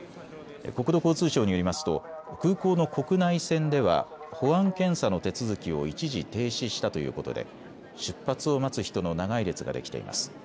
国土交通省によりますと空港の国内線では保安検査の手続きを一時、停止したということで出発を待つ人の長い列ができています。